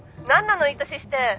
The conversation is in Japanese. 何なのいい年して。